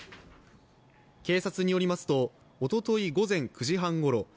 警察によりますと、おととい午前９時半ごろ